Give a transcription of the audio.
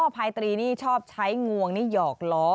พายตรีนี่ชอบใช้งวงนี่หยอกล้อ